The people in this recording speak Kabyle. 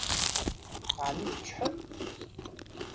Ɛni teččḥem?